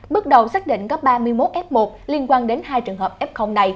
bước đầu xác định có ba mươi một f một liên quan đến hai trường hợp f này